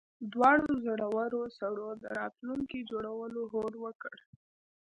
دواړو زړورو سړو د راتلونکي جوړولو هوډ وکړ